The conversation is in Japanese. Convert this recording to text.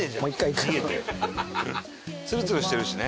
ツルツルしてるしね。